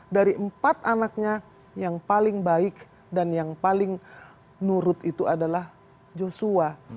dari empat anaknya yang paling baik dan yang paling nurut itu adalah joshua